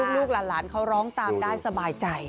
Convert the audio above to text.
ลูกหลานเขาร้องตามได้สบายใจ